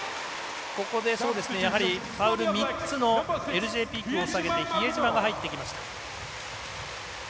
ここでやはり、ファウル３つのＬ．Ｊ．ピークを下げて比江島が入ってきました。